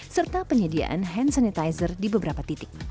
serta penyediaan hand sanitizer di beberapa titik